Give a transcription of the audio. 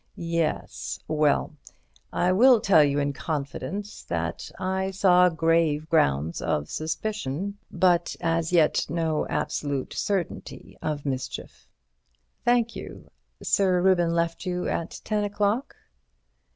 "Yes. Well, I will tell you in confidence that I saw grave grounds of suspicion, but as yet, no absolute certainty of mischief." "Thank you. Sir Reuben left you at ten o'clock?"